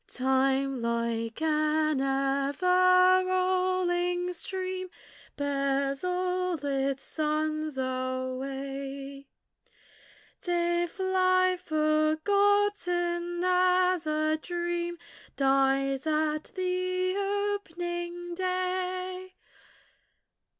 Time like an ever rolling stream Bears all its sons away; They fly, forgotten, as a dream Dies at the opening day.